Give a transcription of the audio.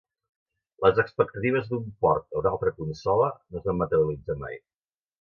Les expectatives d'un port a una altra consola no es van materialitzar mai.